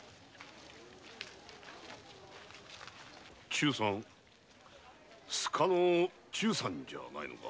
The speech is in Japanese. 忠さん須賀の忠さんじゃないのか？